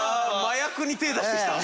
麻薬に手出してきた。